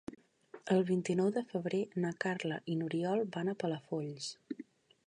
El vint-i-nou de febrer na Carla i n'Oriol van a Palafolls.